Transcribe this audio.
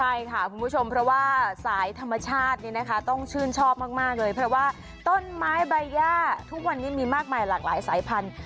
ใช่ค่ะคุณผู้ชมเพราะว่าสายธรรมชาติเนี่ยนะคะต้องชื่นชอบมากเลยเพราะว่าต้นไม้ใบย่าทุกวันนี้มีมากมายหลากหลายสายพันธุ